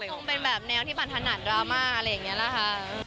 คงเป็นแบบแนวที่ปันถนัดดราม่าอะไรอย่างนี้แหละค่ะ